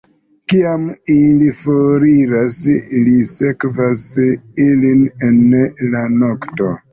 Kiam ili foriras, li sekvas ilin en la nokto.